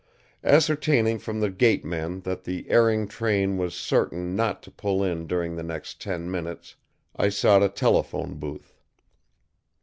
Ascertaining from the gateman that the erring train was certain not to pull in during the next ten minutes, I sought a telephone booth.